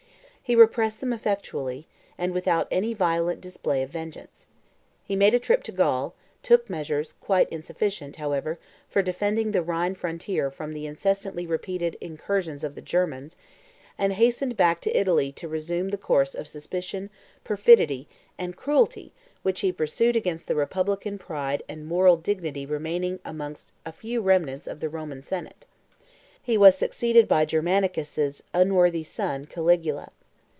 He repressed them effectually, and without any violent display of vengeance. He made a trip to Gaul, took measures, quite insufficient, however, for defending the Rhine frontier from the incessantly repeated incursions of the Germans, and hastened back to Italy to resume the course of suspicion, perfidy, and cruelty which he pursued against the republican pride and moral dignity remaining amongst a few remnants of the Roman senate. He was succeeded by Germanicus' unworthy son, Caligula.